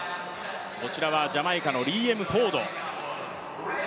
こちらはジャマイカのリーエム・フォード。